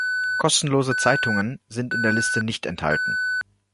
Kostenlose Zeitungen sind in der Liste nicht enthalten.